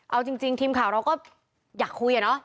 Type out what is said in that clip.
เอาจริงทีมข่าวเราก็อยากคุยอะเนาะ